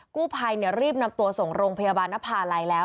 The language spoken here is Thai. กู้ภัยรีบนำตัวส่งโรงพยาบาลนภาลัยแล้ว